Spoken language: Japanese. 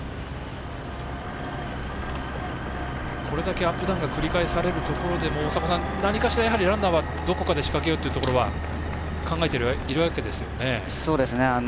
これだけアップダウンが繰り返されるところでもランナーはどこかで仕掛けようということは考えているわけですよね。